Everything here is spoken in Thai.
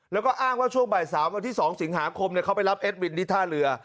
แล้วก็อ้างว่าช่วงบ่าย๓วันที่๒สิงหาคมเขาไปรับเอ็ดวินที่ท่าเรือ